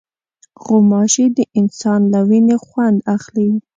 غوماشې د انسان له وینې خوند اخلي.